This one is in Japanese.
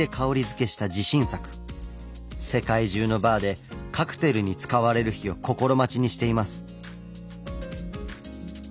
世界中のバーでカクテルに使われる日を心待ちにしています。